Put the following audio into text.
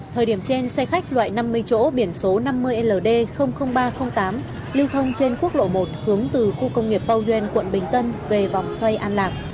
thời điểm trên xe khách loại năm mươi chỗ biển số năm mươi ld ba trăm linh tám lưu thông trên quốc lộ một hướng từ khu công nghiệp pauen quận bình tân về vòng xoay an lạc